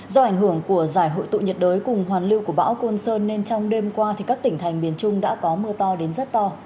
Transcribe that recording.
do ảnh hưởng của giải hội tụ nhiệt đới cùng hoàn lưu của bão côn sơn nên trong đêm qua các tỉnh thành miền trung đã có mưa to đến rất to